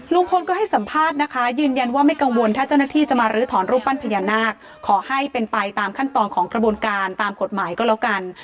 ลุงพลก็ให้สัมภาษณ์นะคะยืนยันว่าไม่กังวลถ้าเจ้าหน้าที่จะมาลื้อถอนรูปปั้นพญานาคขอให้เป็นไปตามขั้นตอนของกระบวนการตามกฎหมายก็แล้วกัน